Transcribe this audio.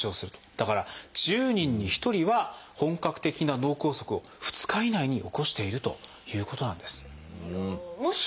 だから１０人に１人は本格的な脳梗塞を２日以内に起こしているということなんです。